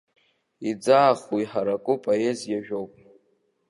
Иӡаахыу, иҳараку поезиажәоуп.